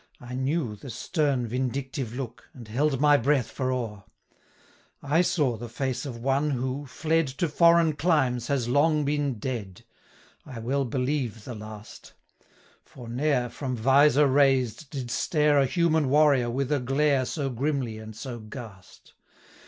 I knew the stern vindictive look, And held my breath for awe. I saw the face of one who, fled 435 To foreign climes, has long been dead, I well believe the last; For ne'er, from vizor raised, did stare A human warrior, with a glare So grimly and so ghast.